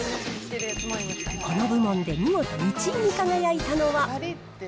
この部門で見事１位に輝いたのは。